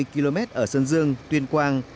hai mươi km ở sơn dương tuyên quang